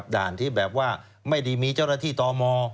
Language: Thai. ด่านที่แบบว่าไม่ได้มีเจ้าหน้าที่ตม